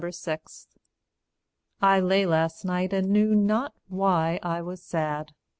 I lay last night and knew not why I was sad.